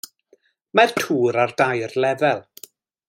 Mae'r tŵr ar dair lefel.